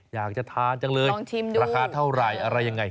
อยากจะทานจังเลยราคาเท่าไหร่อะไรยังไง